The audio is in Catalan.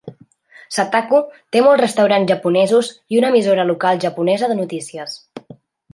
Sataku té molts restaurants japonesos i una emissora local japonesa de notícies.